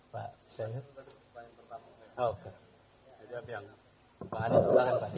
pak anies silahkan pak